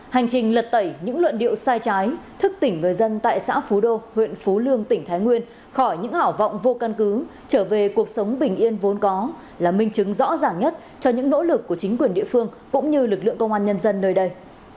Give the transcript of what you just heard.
hành trình lật tẩy những luận điệu sai trái thức tỉnh người dân tại xã phú đô huyện phú lương tỉnh thái nguyên khỏi những hảo vọng vô căn cứ trở về cuộc sống bình yên vốn có là minh chứng rõ ràng nhất cho những nỗ lực của chính quyền địa phương cũng như lực lượng công an nhân dân nơi đây